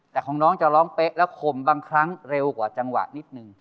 แต่ของน้องจะร้องเป๊ะแล้วข่มบางครั้งเร็วกว่าจังหวะนิดนึง